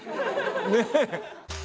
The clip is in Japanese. ねえ。